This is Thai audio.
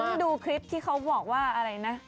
วันนั้นดูคลิปที่เขาบอกว่าอะไรนะ